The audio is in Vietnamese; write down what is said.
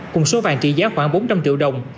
cùng số vàng trị giá khoảng bốn trăm linh triệu đồng